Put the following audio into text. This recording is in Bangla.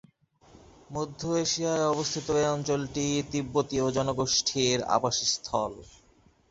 মধ্য এশিয়ায় অবস্থিত এ অঞ্চলটি তিব্বতীয় জনগোষ্ঠীর আবাসস্থল।